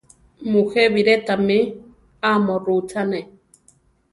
Mujé biré tamé amo rutzane.